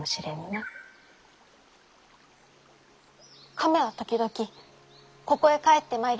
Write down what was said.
亀は時々ここへ帰ってまいります。